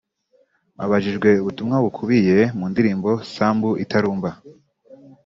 Abajijwe ubutumwa bukubiye mu ndirimbo ‘Sambu Italumba’